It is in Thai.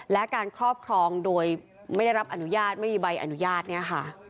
และการครอบครองโดยไม่ได้รับอนุญาตไม่มีใบอนุญาตเนี่ยค่ะ